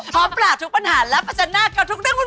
ปราบทุกปัญหาและประจันหน้ากับทุกเรื่องวุ่น